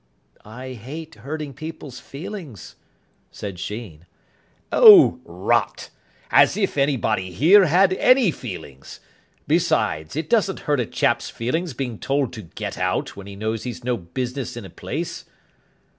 "I hate hurting people's feelings," said Sheen. "Oh, rot. As if anybody here had any feelings. Besides, it doesn't hurt a chap's feelings being told to get out, when he knows he's no business in a place."